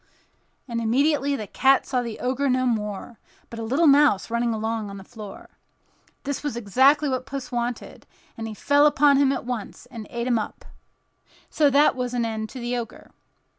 and immediately the cat saw the Ogre no longer, but a little mouse running along on the floor. This was exactly what Puss wanted; and he fell upon him at once and ate him up. So there was an end to the Ogre.